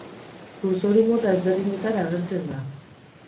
Lurzoru mota ezberdinetan agertzen da.